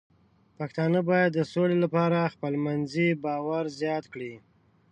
پښتانه بايد د سولې لپاره خپلمنځي باور زیات کړي.